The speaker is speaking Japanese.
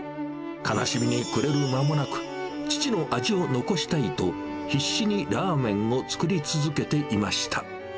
悲しみに暮れる間もなく、父の味を残したいと、必死にラーメンを作り続けていました。